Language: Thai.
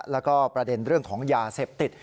แล้วก็ประเด็นเรื่องของยาเสพติด